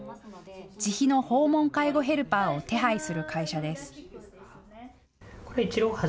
自費の訪問介護ヘルパーを手配する会社です。